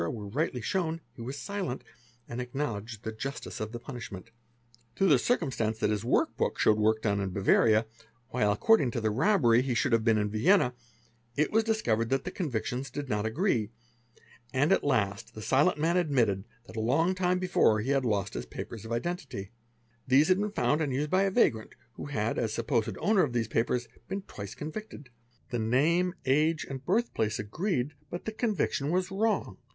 were rightl shewn, he was silent, and acknowledged the justice of the punishment | Through the circumstance that his work book showed work done i || Bavaria while according to the robbery he should have been in Vienné it was discovered that the convictions did not agree, and at last the sile man admitted that a long time before he had lost his papers of identit | These had been found and used by a vagrant who had as supposed own | of these papers been twice convicted. The name, age and hirthpla ! agreed but the conviction was wrong.